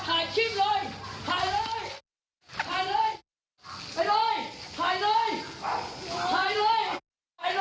ไปเลยออกไปเลยชิวไปเลยเอาแล้วเลย